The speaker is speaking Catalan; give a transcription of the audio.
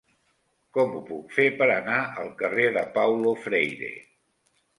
Com ho puc fer per anar al carrer de Paulo Freire?